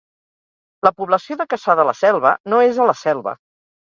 La població de Cassà de la Selva no és a La Selva